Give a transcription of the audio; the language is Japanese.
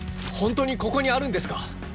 本当にここにあるんですか？